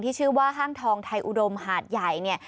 ที่ชื่อว่าห้างทองไทยอุดมหาดใหญ่